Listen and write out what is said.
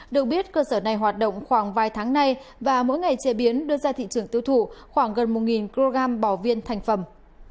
được biết cơ sở này hoạt động khoảng vài tháng nay và mỗi ngày chế biến đưa ra thị trường tiêu thụ khoảng gần một kg bò viên thành phẩm